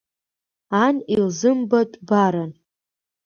Ан илзымбатәбаран.